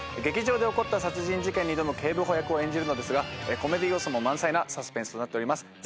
劇場で起こった殺人事件に挑む警部補役を演じるのですがコメディー要素も満載なサスペンスとなっております。